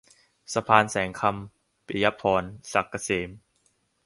สะพานแสงคำ - ปิยะพร ศักดิ์เกษม